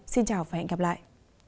xin chào và hẹn gặp lại